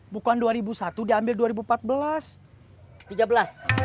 bukan dua ribu satu diambil dua ribu empat belas